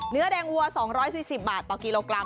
เนื้อแดงวัว๒๔๐บาทต่อกิโลกรัม